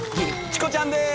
チコちゃんです。